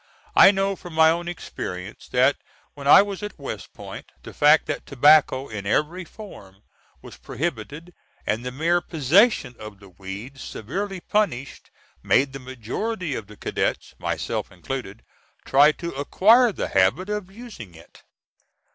I know from my own experience that when I was at West Point, the fact that tobacco, in every form, was prohibited, and the mere possession of the weed severely punished, made the majority of the cadets, myself included, try to acquire the habit of using it.